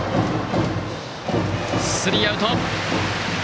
スリーアウト！